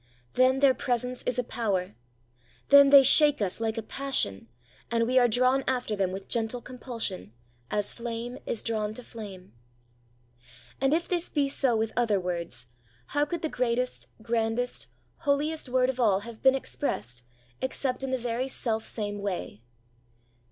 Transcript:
Then their presence is a power, then they shake us like a passion, and we are drawn after them with gentle compulsion, as flame is drawn to flame.' And if this be so with other words, how could the greatest, grandest, holiest word of all have been expressed except in the very selfsame way?